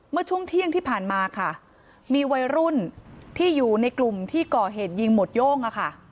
เมื่อช่วงเที่ยงที่ผ่านมาค่ะมีวัยรุ่นที่อยู่ในกลุ่มที่ก่อเหตุยิงหมวดโย่ง